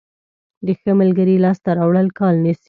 د ښه ملګري لاسته راوړل کال نیسي.